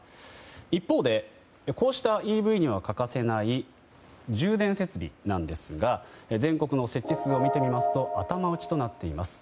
一方で、こうしたＥＶには欠かせない充電設備なんですが全国の設置数を見てみると頭打ちとなっています。